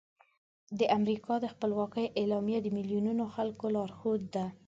د امریکا د خپلواکۍ اعلامیه د میلیونونو خلکو لارښود ده.